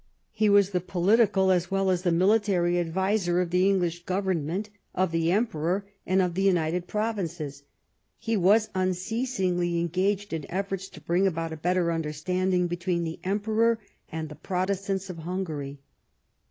He was the political as well as the military adviser of the English government, of the Emperor, and of the United Provinces. He was unceasingly engaged in efforts to bring about a better understanding between the Emperor and the Protestants of Hungary.